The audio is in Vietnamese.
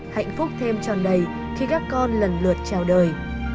hạnh phúc thêm tròn đầy khi các con lần lượt chào đời